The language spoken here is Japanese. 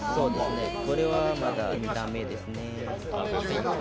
これはまだ２段目ですね。